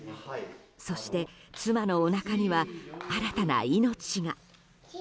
そして、妻のおなかには新たな命が。